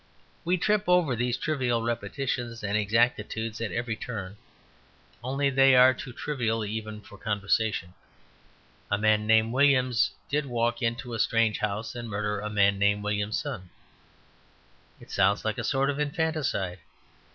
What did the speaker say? We trip over these trivial repetitions and exactitudes at every turn, only they are too trivial even for conversation. A man named Williams did walk into a strange house and murder a man named Williamson; it sounds like a sort of infanticide.